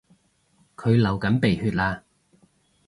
佢流緊鼻血呀